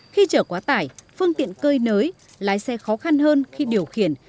khi chở quá tải phương tiện cơi nới lái xe khó khăn hơn khi điều khiển